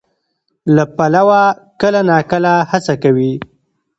له پلوه کله ناکله هڅه کوي،